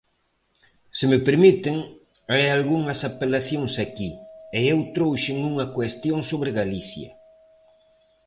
Se me permiten, hai algunhas apelacións aquí, e eu trouxen unha cuestión sobre Galicia.